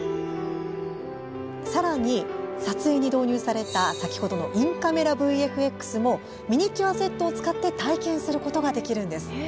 さらに撮影に導入された先ほどのインカメラＶＦＸもミニチュアセットを使って体験することができるんです。